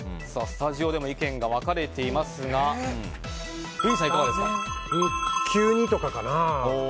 スタジオでも意見が分かれていますが急にとかかな。